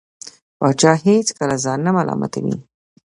پاچا هېڅکله ځان نه ملامتوي .